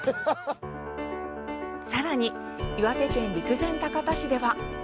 さらに岩手県陸前高田市では。